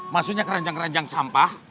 maksudnya keranjang keranjang sampah